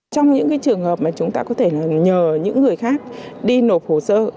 trong những trường hợp mà chúng ta có thể nhờ những người khác đi nộp hồ sơ